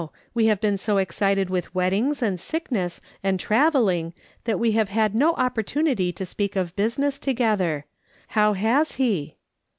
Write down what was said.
We have been so excited with weddings, and sickness, and travelling, that we have had no opportunity to speak of business together. How has he?"